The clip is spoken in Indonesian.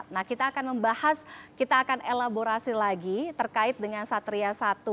nah kita akan membahas kita akan elaborasi lagi terkait dengan satria satu